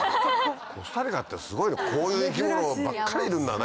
コスタリカってすごいねこういう生き物ばっかりいるんだね。